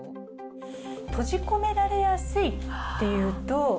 閉じ込められやすいっていうと。